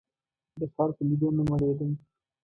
د ښار په لیدو نه مړېدم.